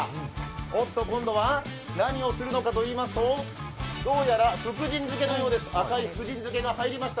おっと、今度は何をするのかといいますとどうやら福神漬けのようです、赤い福神漬けが入りました。